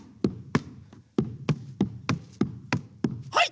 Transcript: はい！